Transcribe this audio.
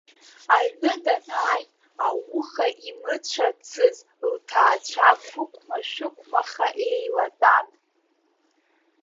Аҩны данааи, ауха имыцәацыз лҭаацәа қәықәма-шәықәмаха еилатәан.